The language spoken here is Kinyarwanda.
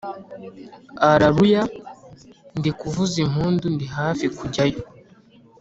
alaluya ndikuvuza impundu ndi hafi kujyayo